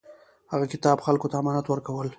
هغه کتابونه خلکو ته امانت ورکول.